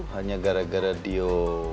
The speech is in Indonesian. hanya gara gara dio